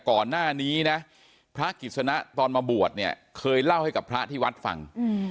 ก่อนหน้านี้นะพระกิจสนะตอนมาบวชเนี่ยเคยเล่าให้กับพระที่วัดฟัง